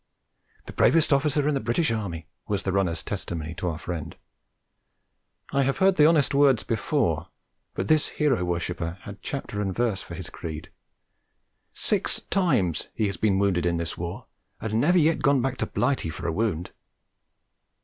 'The bravest officer in the British Army!' was the runner's testimony to our friend. I have heard the honest words before, but this hero worshipper had chapter and verse for his creed: 'Six times he has been wounded in this war, and never yet gone back to Blighty for a wound!'